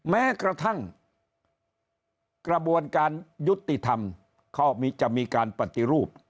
แม้กระทั่งกระบวนการยุติธรรมก็จะมีการปฏิรูป